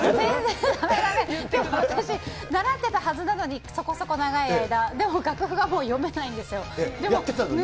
私、習ってたはずなのに、そこそこ長い間、でも楽譜はもう読めないんですよね。